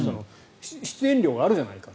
出演料があるじゃないか。